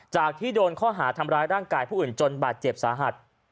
ที่โดนข้อหาทำร้ายร่างกายผู้อื่นจนบาดเจ็บสาหัส